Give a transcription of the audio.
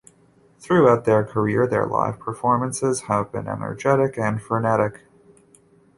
Throughout their career, their live performances have been energetic and frenetic.